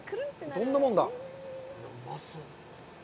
どんなもんだ。